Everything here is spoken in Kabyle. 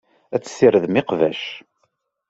Ad tessirdem iqbac.